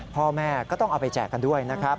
พ่อแม่ก็ต้องเอาไปแจกกันด้วยนะครับ